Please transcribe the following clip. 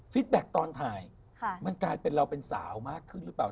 แบ็คตอนถ่ายมันกลายเป็นเราเป็นสาวมากขึ้นหรือเปล่า